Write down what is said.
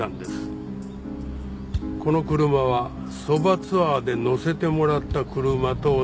この車はそばツアーで乗せてもらった車と同じ。